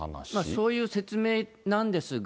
そういう説明なんですが、